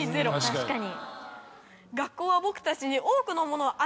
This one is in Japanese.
確かに。